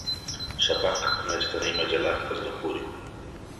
شفق میاشتینۍ مجله په زړه پورې وه.